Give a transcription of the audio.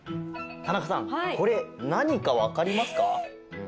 田中さんこれなにかわかりますか？